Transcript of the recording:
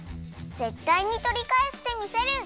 ぜったいにとりかえしてみせる！